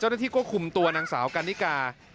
เจ้าหน้าที่ก็คุมตัวนางสาวกันนิกา